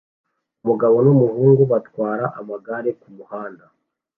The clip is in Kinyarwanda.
Umugabo n'umuhungu batwara amagare kumuhanda